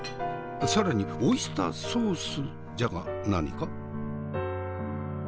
更にオイスターソースじゃが何か？